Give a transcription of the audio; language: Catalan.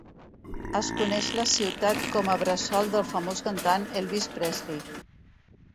Es coneix la ciutat com a bressol del famós cantant Elvis Presley.